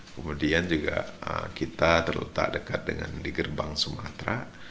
kemudian juga kita terletak dekat dengan di gerbang sumatera